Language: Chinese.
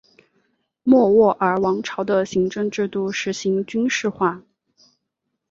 莫卧儿王朝的行政制度实行军事化。